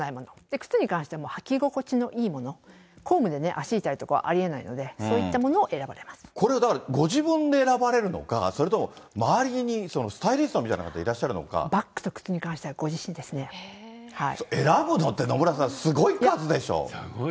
靴に関しては履き心地のいいもの、公務で足痛いとかありえないので、これ、だからご自分で選ばれるのか、それとも周りにスタイリストさんみたいな方がいらっしゃバッグと靴に関してはご自身選ぶのって、野村さん、すごすごい。